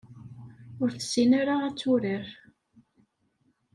Ur tessin ara ad turar.